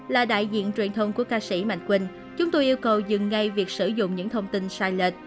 là đại diện truyền thông của ca sĩ mạnh quỳnh chúng tôi yêu cầu dừng ngay việc sử dụng những thông tin sai lệch